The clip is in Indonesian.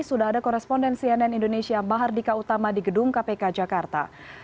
sudah ada koresponden cnn indonesia mahardika utama di gedung kpk jakarta